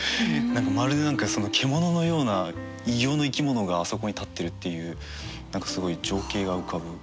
まるで何か獣のような異形の生き物があそこに立ってるっていう何かすごい情景が浮かぶ。